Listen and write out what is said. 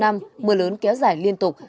mưa lớn kéo dài liên tục